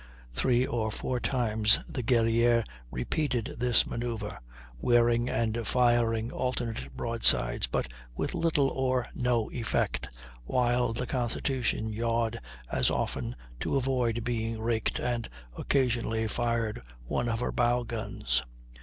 Three or four times the Guerrière repeated this manoeuvre, wearing and firing alternate broadsides, but with little or no effect, while the Constitution yawed as often to avoid being raked, and occasionally fired one of her bow guns.